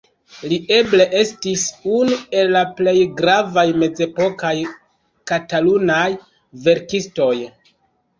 Li eble estis unu el la plej gravaj mezepokaj katalunaj verkistoj.